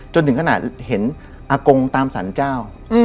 จนถึงขนาดเห็นอากงตามสรรเจ้า